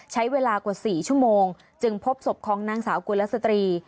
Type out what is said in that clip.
ใช้เวลากว่า๔ชั่วโมงจึงพบศพของนางสาวกุลสตรี